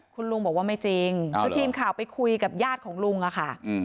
คุณลุงบอกว่าไม่จริงคือทีมข่าวไปคุยกับญาติของลุงอะค่ะ